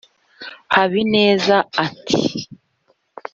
Habineza ati